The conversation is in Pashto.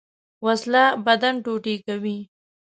وسله بدن ټوټې کوي